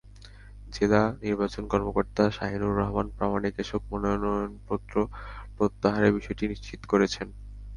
জেলা নির্বাচন কর্মকর্তা শাহীনুর রহমান প্রামাণিক এসব মনোনয়নপত্র প্রত্যাহারের বিষয়টি নিশ্চিত করেছেন।